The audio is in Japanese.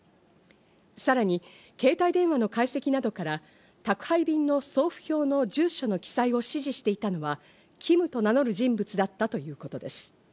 さらに携帯電話の解析などから宅配便の送付票の住所の記載を指示していたのは、ＫＩＭと名乗る人物だったということです。